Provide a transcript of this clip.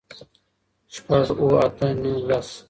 شپږ اووه آته نهه لس